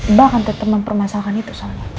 mbak akan tetap mempermasalkan itu